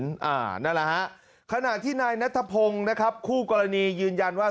นั่นแหละครับขนาดที่นายนัตฑพงศ์คู่กรณียืนยันว่า